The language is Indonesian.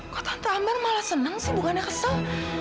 kok tante amber malah senang sih bukannya kesel